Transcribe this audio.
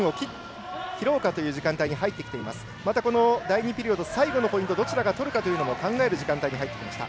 第２ピリオド、最後のポイントをどちらが取るかというのを考える時間帯に入ってきました。